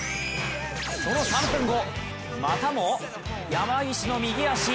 その３分後、またも山岸の右足。